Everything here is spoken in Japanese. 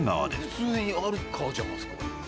普通にある川じゃないですか。